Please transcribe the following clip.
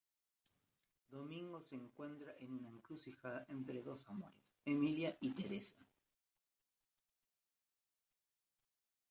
Domingo se encuentra en una encrucijada entre dos amores, Emilia y Teresa.